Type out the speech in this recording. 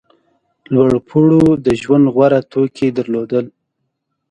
لوړپوړو د ژوند غوره توکي درلودل.